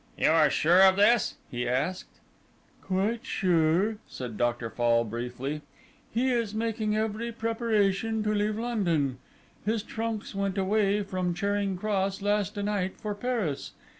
"You are sure of this?" he asked. "Quite sure," said Dr. Fall briefly; "he is making every preparation to leave London. His trunks went away from Charing Cross last night for Paris.